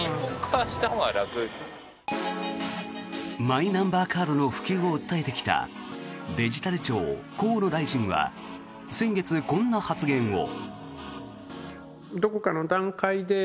マイナンバーカードの普及を訴えてきたデジタル庁、河野大臣は先月、こんな発言を。